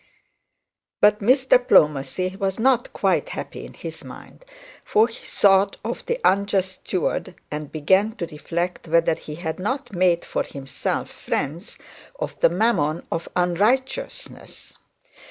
But Mr Plomacy was not quite happy in his mind for he thought of the unjust steward, and began to reflect whether he had not made for himself friends at the mammon of unrighteousness.